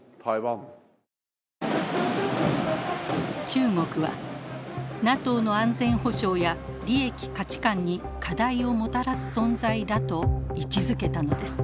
中国は「ＮＡＴＯの安全保障や利益・価値観に課題をもたらす存在だ」と位置づけたのです。